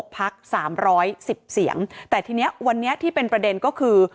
พัก๓๑๐เสียงแต่ทีนี้วันนี้ที่เป็นประเด็นก็คือ